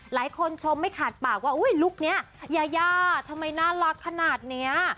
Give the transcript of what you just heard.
หลายคนชมไม่ขาดปากว่าอุ้ยลูกเนี่ยยาย่าทำไมน่ารักขนาดเนี้ย